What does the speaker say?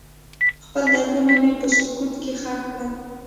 خپل دردونه مې په سکوت کې ښخ کړل.